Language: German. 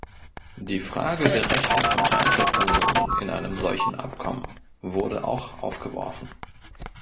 Die Frage der Rechte von Einzelpersonen in einem solchen Abkommen wurde auch aufgeworfen.